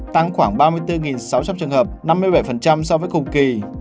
tăng khoảng ba mươi bốn sáu trăm linh trường hợp năm mươi bảy so với cùng kỳ